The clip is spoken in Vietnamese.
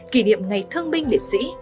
kỷ niệm ngày thương binh liệt sĩ